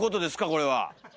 これは。